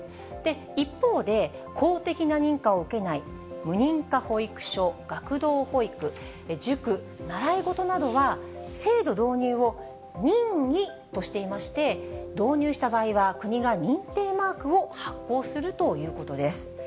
一方で、公的な認可を受けない、無認可保育所、学童保育、塾、習い事などは、制度導入を任意としていまして、導入した場合は、国が認定マークを発行するということです。